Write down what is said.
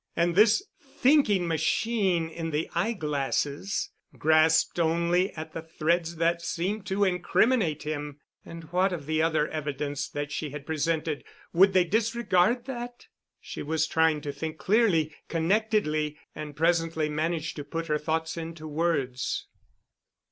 And this thinking machine in the eyeglasses, grasped only at the threads that seemed to incriminate him. And what of the other evidence that she had presented—would they disregard that? She was trying to think clearly, connectedly, and presently managed to put her thoughts into words.